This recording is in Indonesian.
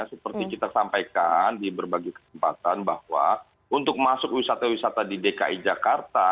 seperti kita sampaikan di berbagai kesempatan bahwa untuk masuk wisata wisata di dki jakarta